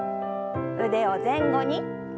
腕を前後に。